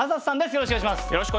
よろしくお願いします。